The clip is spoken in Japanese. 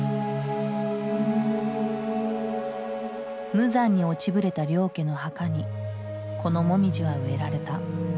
無残に落ちぶれた領家の墓にこのモミジは植えられた。